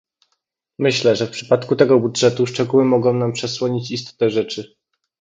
Myślę, że w przypadku tego budżetu szczegóły mogą nam przesłonić istotę rzeczy